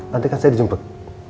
nanti kan saya dijemput